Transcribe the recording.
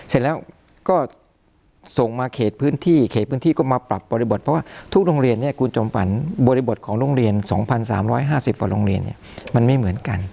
เสร็จแล้วก็ส่งมาเขตพื้นที่เขตพื้นที่ก็มาปรับบริบทเพราะว่าทุกโรงเรียนเนี่ยคุณจอมฝันบริบทของโรงเรียน๒๓๕๐กว่าโรงเรียนเนี่ยมันไม่เหมือนกัน